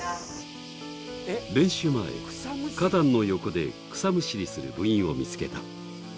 練習前、花壇の横で草むしりする部員を見つけた。